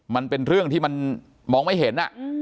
มันเป็นเรื่องที่มันมองไม่เห็น